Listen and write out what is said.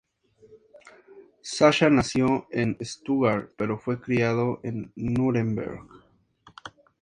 Sascha nació en Stuttgart, pero fue criado en Núremberg.